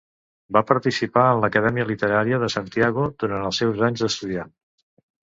Va participar en l'Acadèmia Literària de Santiago durant els seus anys d'estudiant.